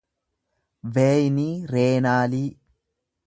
veeyinii reenaalii